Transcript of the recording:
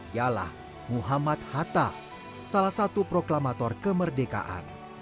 ialah muhammad hatta salah satu proklamator kemerdekaan